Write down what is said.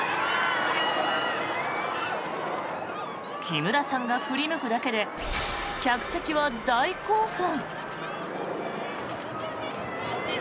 木村さんが振り向くだけで客席は大興奮。